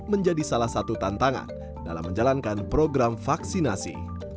menjadi salah satu tantangan dalam menjalankan program vaksinasi